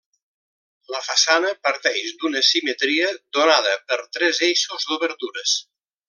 La façana parteix d'una simetria donada per tres eixos d'obertures.